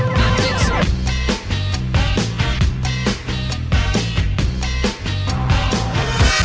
โปรดติดตามตอนต่อไป